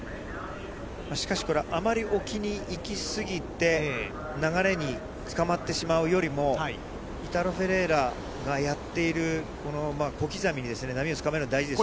しかしこれはあまり置きにいきすぎて、流れにつかまってしまうよりも、イタロ・フェレイラがやっている、この小刻みに波をつかまえるの大事です。